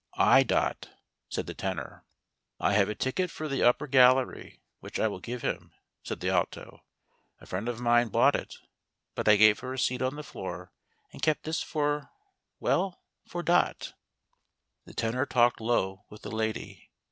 "/, Dot," said the Tenor. " I have a ticket for the upper gallery, which I will give him," said the Alto. A friend of mine bought it, but I gave her a seat on the floor, and kept this for — well, for Dot." 1 8 HOW DOT HEARD "THE MESSIAH." The Tenor talked low with the lady.